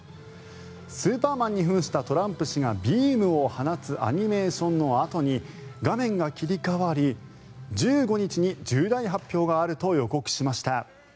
スーパーマンに扮したトランプ氏がビームを放つアニメーションのあとに画面が切り替わり１５日に重大発表があると予告しました。